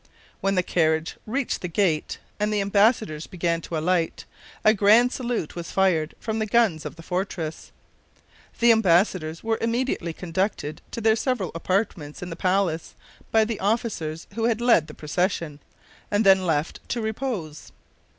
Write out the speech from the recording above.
When the carriage reached the gate and the embassadors began to alight, a grand salute was fired from the guns of the fortress. The embassadors were immediately conducted to their several apartments in the palace by the officers who had led the procession, and then left to repose.